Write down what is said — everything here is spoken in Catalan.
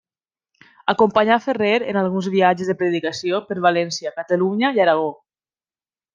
Acompanyà Ferrer en alguns viatges de predicació per València, Catalunya i Aragó.